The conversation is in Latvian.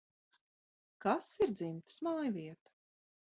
Kas ir dzimtas mājvieta?